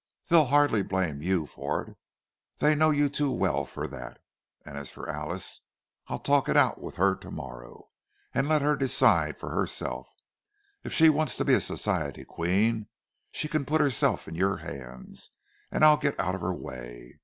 They'll hardly blame you for it—they know you too well for that. And as for Alice, I'll talk it out with her to morrow, and let her decide for herself—if she wants to be a Society queen, she can put herself in your hands, and I'll get out of her way.